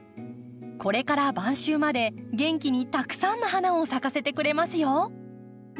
これから晩秋まで元気にたくさんの花を咲かせてくれますよ。